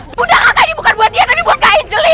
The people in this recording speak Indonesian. bunda kakak ini bukan buat dia tapi buat kak angelie